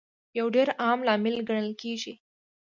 یو ډېر عام لامل ګڼل کیږي